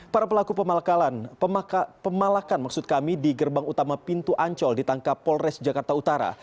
para pelaku pemalakan maksud kami di gerbang utama pintu ancol ditangkap polres jakarta utara